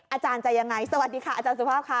อาจารย์จะยังไงสวัสดีค่ะอาจารย์สุภาพค่ะ